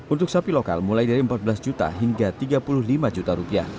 untuk sapi lokal mulai dari rp empat belas juta hingga rp tiga puluh lima juta